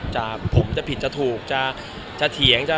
จะพูดถูกจะถูกจะเถียง